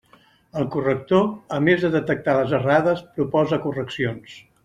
El corrector, a més de detectar les errades, proposa correccions.